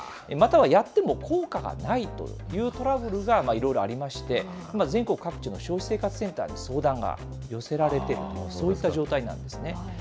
または、やっても効果がないというトラブルがいろいろありまして、全国各地の消費生活センターに相談が寄せられてる、そういった状態なんですね。